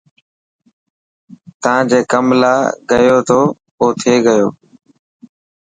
تا جي ڪم لاءِ گيو ٿو او ٿي گيو.